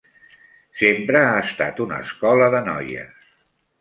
Sempre ha estat una escola de noies.